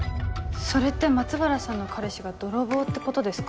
それって松原さんの彼氏が泥棒ってことですか？